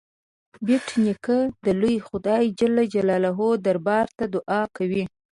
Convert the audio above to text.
بېټ نیکه د لوی خدای جل جلاله دربار ته دعا کوي.